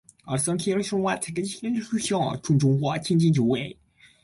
我々は絶対矛盾的自己同一的世界の個物として、